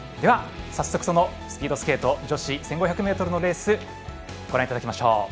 早速、そのスピードスケート女子１５００ｍのレースご覧いただきましょう。